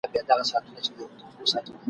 د لېوه له داړو تښتو تر چړو د قصابانو ..